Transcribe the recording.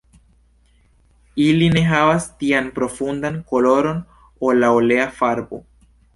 Ili ne havas tian profundan koloron ol la olea farbo.